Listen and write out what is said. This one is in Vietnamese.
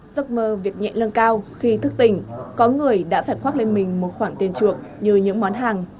giấc mơ việc nhẹ lương cao khi thức tỉnh có người đã phải khoác lên mình một khoản tiền chuộc như những món hàng